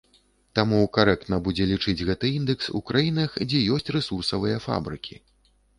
Таму карэктна будзе лічыць гэты індэкс у краінах, дзе ёсць рэсурсавыя фабрыкі.